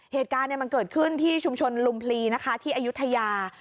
เหตุการณ์มันเกิดขึ้นที่ชุมชนลุมพลีนะคะที่อายุทยา